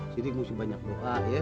jadi mesti banyak doa ya